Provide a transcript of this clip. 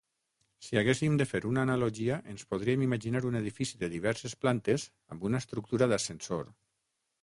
Si haguéssim de fer una analogia, ens podríem imaginar un edifici de diverses plantes amb una estructura d'ascensor.